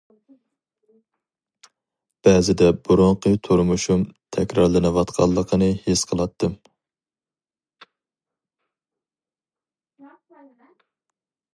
بەزىدە بۇرۇنقى تۇرمۇشۇم تەكرارلىنىۋاتقانلىقىنى ھېس قىلاتتىم.